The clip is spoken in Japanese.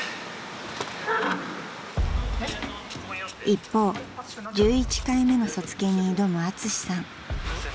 ［一方１１回目の卒検に挑むアツシさん］